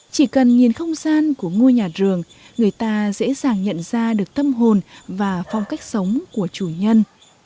chỉ cần nhìn không gian của ngôi nhà rường người ta dễ dàng nhận ra được tâm hồn và phong cách sống của chủ nhân